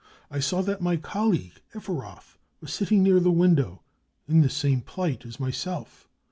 I saw that my colleague, Efferoth, was sitting near the window, in the same plight as myself.